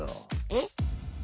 えっ？